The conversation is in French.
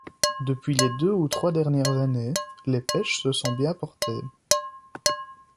Depuis les deux ou trois dernières années, les pêches se sont bien portées.